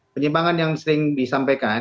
penyimpangan yang sering disampaikan